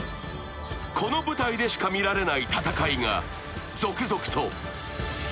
この舞台でしか見られない戦いが続々と。